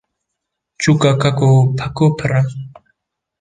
Çûka Keko Peko pir in.